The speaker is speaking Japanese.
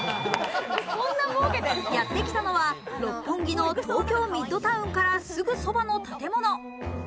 やってきたのは六本木の東京ミッドタウンからすぐそばの建物。